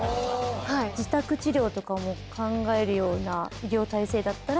自宅治療とかも考えるような医療体制だったら。